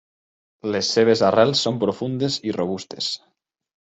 Les seves arrels són profundes i robustes.